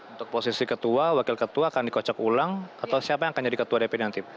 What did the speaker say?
untuk posisi ketua wakil ketua akan dikocok ulang atau siapa yang akan jadi ketua dp nanti